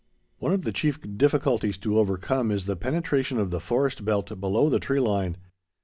One of the chief difficulties to overcome is the penetration of the forest belt below the tree line.